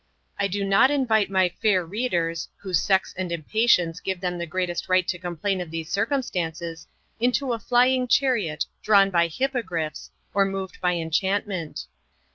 I do not invite my fair readers, whose sex and impatience give them the greatest right to complain of these circumstances, into a flying chariot drawn by hippogriffs, or moved by enchantment.